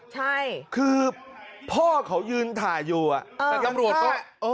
ใช่คือพ่อเขายืนถ่ายอยู่แต่ตำรวจก็